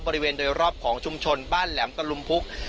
บริเวณโดยรอบของชุมชนบ้านแหลมตะลุมพุก